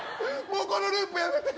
もうこのループ、やめて！